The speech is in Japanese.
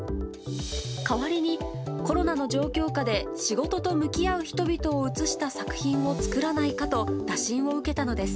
代わりにコロナの状況下で仕事と向き合う人々を映した作品を作らないかと打診を受けたのです。